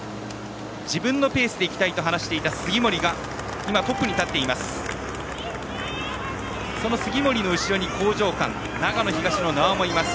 自分のペースでいきたいと話していた杉森が今、トップに立っています。